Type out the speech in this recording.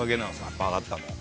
やっぱ上がったのは。